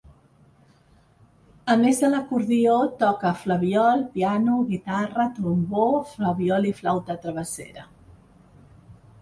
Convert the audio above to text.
A més de l'acordió, toca flabiol, piano, guitarra, trombó, flabiol i flauta travessera.